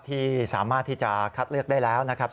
ที่สามารถที่จะคัดเลือกได้แล้วนะครับ